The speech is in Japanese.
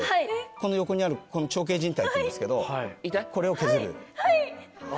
この横にある腸脛靱帯っていうんですけどこれを削る。